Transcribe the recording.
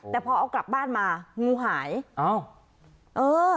แต่พอเอากลับบ้านมางูหายอ้าวเออ